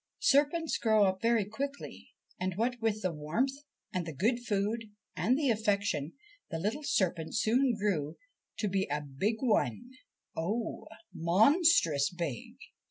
Serpents grow up very quickly, and, what with the warmth and the good food and the affection, the little serpent soon grew to be a big one, oh, monstrous big